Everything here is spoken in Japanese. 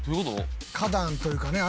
花壇というかね